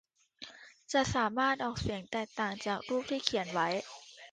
จะสามารถออกเสียงแตกต่างจากรูปที่เขียนได้